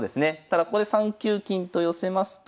ただここで３九金と寄せますと。